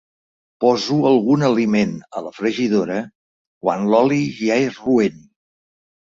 Poso alguna aliment a la fregidora quan l'oli ja és roent.